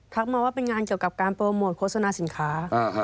ทักมาว่าเป็นงานเจอกับการโปรโมทโศนาสินค้า